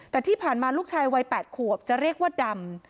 แต่ที่ผ่านมาลูกชายวัย๘ขวบจะเรียกว่าดำ